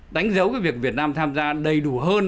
đánh dấu cái việc việt nam tham gia đầy đủ hơn